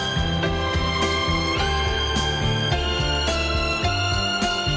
hẹn gặp lại